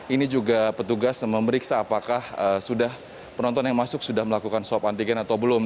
ini juga petugas memeriksa apakah penonton yang masuk sudah melakukan swab antigen atau belum